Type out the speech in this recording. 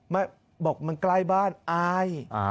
มาบอกมันใกล้บ้านอาย